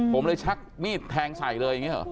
ผมเลยชักมีดแทงใส่เลยอย่างนี้เหรอ